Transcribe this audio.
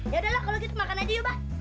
ya adalah kalau gitu makan aja yuk bah